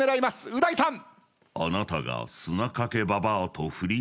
う大さん。